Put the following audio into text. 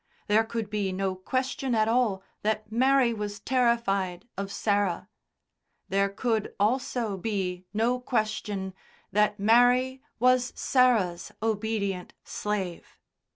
There could be no question at all that Mary was terrified of Sarah; there could also be no question that Mary was Sarah's obedient slave.